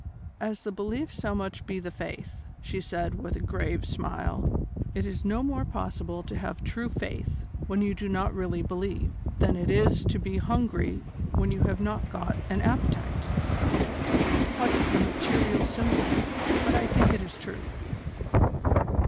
"As the belief so must be the faith," she said with a grave smile. "It is no more possible to have true faith when you do not really believe than it is to be hungry when you have not got an appetite. That is quite a material simile; but I think it is true."